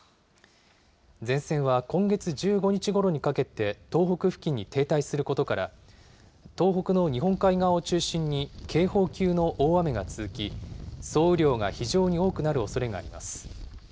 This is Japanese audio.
前線は今月１５日ごろにかけて、東北付近に停滞することから、東北の日本海側を中心に警報級の大雨が続き、総雨量が非常に多くなるおそれがあります。